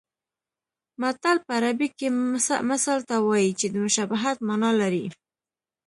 متل په عربي کې مثل ته وایي چې د مشابهت مانا لري